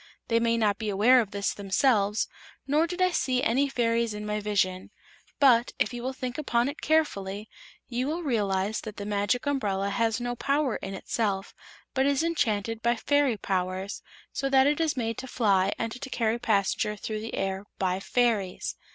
They may not be aware of this themselves, nor did I see any fairies in my vision. But, if you will think upon it carefully, you will realize that the Magic Umbrella has no power in itself, but is enchanted by fairy powers, so that it is made to fly and to carry passengers through the air by fairies.